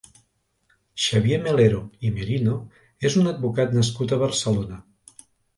Xavier Melero i Merino és un advocat nascut a Barcelona.